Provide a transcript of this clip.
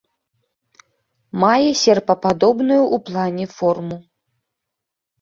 Мае серпападобную ў плане форму.